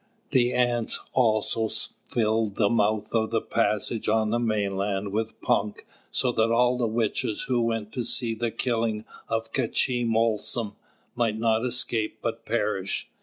The Ants had also filled the mouth of the passage on the mainland with punk, so that all the witches who went to see the killing of K'chī Molsom might not escape but perish.